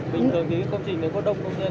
bình thường cái công trình này có đông công nhân